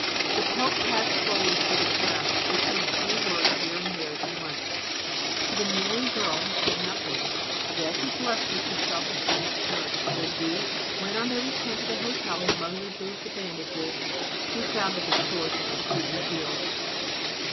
The pope passed slowly through the crowd, speaking a few words here and there as he went. To the kneeling girl he said nothing, but as he blessed her she felt that she was cured; and indeed, when on their return to the hotel her mother removed the bandages she found that the sores were completely healed.